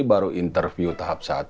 baru interview tahap satu